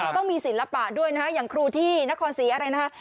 ต้องมีศิลปะด้วยนะฮะอย่างครูที่นครศรีอะไรนะฮะ